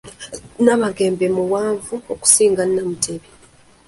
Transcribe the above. Namagembe muwanvu okusinga Namutebi.